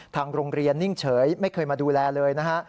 ทางโรงเรียนนิ่งเฉยไม่เคยมาดูแลเลยนะฮะ